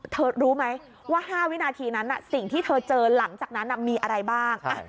รู้ไหมว่า๕วินาทีนั้นสิ่งที่เธอเจอหลังจากนั้นมีอะไรบ้าง